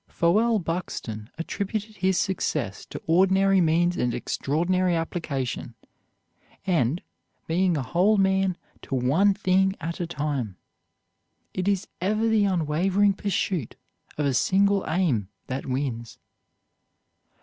Fowell Buxton attributed his success to ordinary means and extraordinary application, and being a whole man to one thing at a time. It is ever the unwavering pursuit of a single aim that wins.